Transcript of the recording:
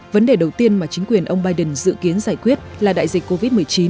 vấn đề đầu tiên mà chính quyền ông biden dự kiến giải quyết là đại dịch covid một mươi chín